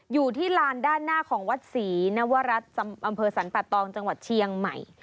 อยู่ที่ลานด้านหน้าของวัดศรีนวรัฐอำเภอสรรปะตองจังหวัดเชียงใหม่